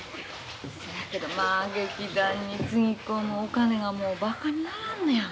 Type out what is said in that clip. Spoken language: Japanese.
せやけどまあ劇団につぎ込むお金がばかにならんのやわ。